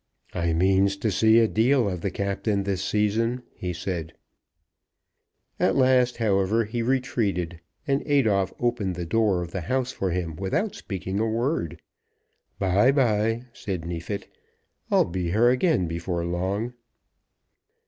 "I means to see a deal of the Captain this season," he said. At last, however, he retreated, and Adolphe opened the door of the house for him without speaking a word. "Bye, bye," said Neefit. "I'll be here again before long."